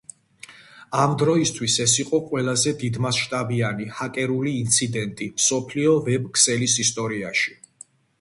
იმ დროისთვის ეს იყო ყველაზე დიდმასშტაბიანი ჰაკერული ინციდენტი მსოფლიო ვებ ქსელის ისტორიაში.